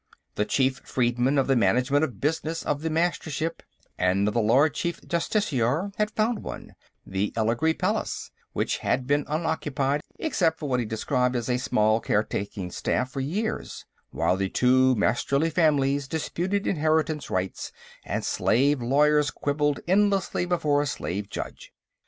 The chief freedmen of the Management of Business of the Mastership and of the Lord Chief Justiciar had found one, the Elegry Palace, which had been unoccupied except for what he described as a small caretaking staff for years, while two Masterly families disputed inheritance rights and slave lawyers quibbled endlessly before a slave judge.